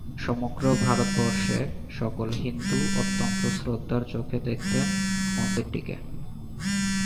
সমগ্র ভারতবর্ষের সকল হিন্দু অত্যন্ত শ্রদ্ধার চোখে দেখতেন মন্দিরটিকে।